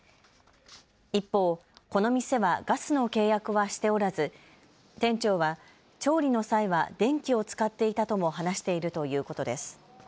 一方、この店はガスの契約はしておらず、店長は調理の際は電気を使っていたとも話しているということです。